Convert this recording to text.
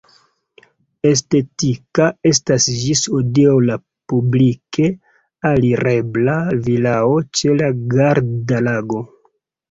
Estetika estas ĝis hodiaŭ la publike alirebla vilao ĉe la Garda-Lago.